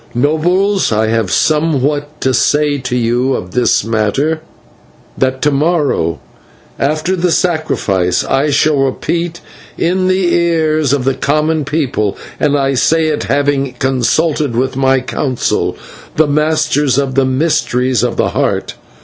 Nobles, I have somewhat to say to you of this matter, that to morrow, after the sacrifice, I shall repeat in the ears of the common people, and I say it having consulted with my Council, the masters of the mysteries of the Heart.